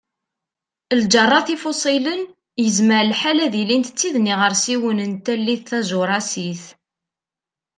Lǧerrat ifuṣilen yezmer lḥal ad ilint d tid n yiɣersiwen n tallit Tajurasit.